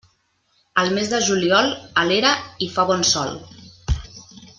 Al mes de juliol, a l'era hi fa bon sol.